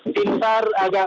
tim sar agak